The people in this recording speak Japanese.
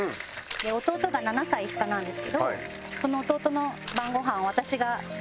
弟が７歳下なんですけどその弟の晩ごはんを私が作ってたりとか。